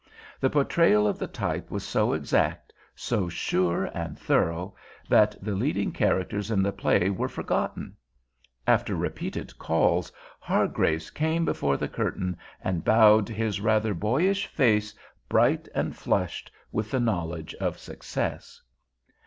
The portrayal of the type was so exact, so sure and thorough, that the leading characters in the play were forgotten. After repeated calls, Hargraves came before the curtain and bowed, his rather boyish face bright and flushed with the knowledge of success.